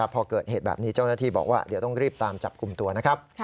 พอเกิดเหตุแบบนี้เจ้าหน้าที่บอกว่าเดี๋ยวต้องรีบตามจับกลุ่มตัวนะครับ